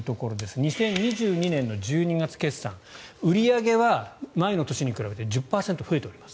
２０２２年の１２月決算売り上げは前の年に比べて１０％増えております。